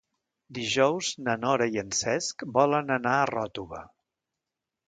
Dijous na Nora i en Cesc volen anar a Ròtova.